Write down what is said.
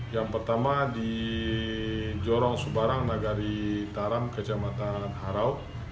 yang pertama di jorong subarang nagari taram kecamatan harau